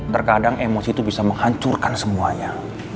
terkadang emosi itu bisa menghancurkan semuanya